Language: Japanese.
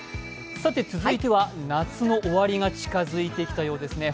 続いては夏の終わりが近づいてきたようですね。